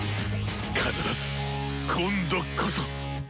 必ず今度こそ！